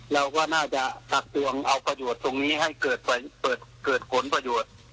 เราก็น่าจะตักตวงเอาประโยชน์ตรงนี้ให้เกิดผลประโยชน์